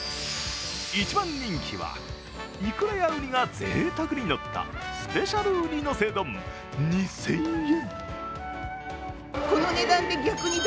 一番人気は、いくらやうにがぜいたくにのったスペシャルウニ乗せ丼２０００円。